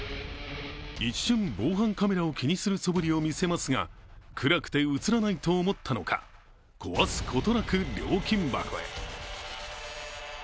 一瞬、防犯カメラを気にするそぶりを見せますが暗くて映らないと思ったのか壊すことなく料金箱へ。